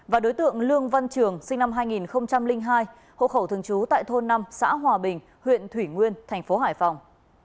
và đối tượng lương văn trường sinh năm hai nghìn hai hộ khẩu thường trú tại thôn năm xã hòa bình huyện thủy nguyên thành phố hải phòng